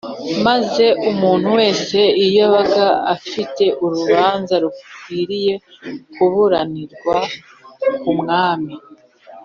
maze umuntu wese iyo yabaga afite urubanza rukwiriye kuburanirwa ku mwami